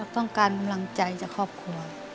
ต้องการกำลังใจจากครอบครัว